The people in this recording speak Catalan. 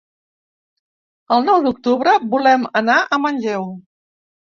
El nou d'octubre volem anar a Manlleu.